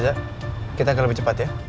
jajak kita agak lebih cepat ya